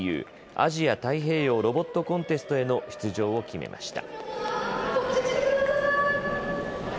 アジア・太平洋ロボットコンテストへの出場を決めました。